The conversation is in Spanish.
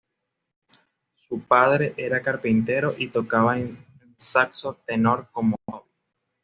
Su padre era carpintero y tocaba en saxo tenor como hobby.